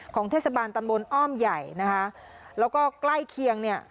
เทศบาลตำบลอ้อมใหญ่นะคะแล้วก็ใกล้เคียงเนี่ย